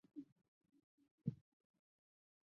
它们的毒液用于猎食或防卫。